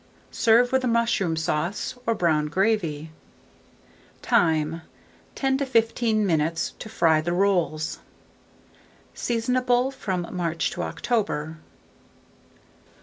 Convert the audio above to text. Serve with mushroom sauce or brown gravy. Time. 10 to 15 minutes to fry the rolls. Seasonable from March to October.